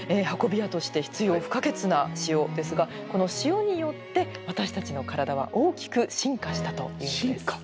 運び屋として必要不可欠な塩ですがこの塩によって私たちの体は大きく進化したというんです。